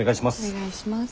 お願いします。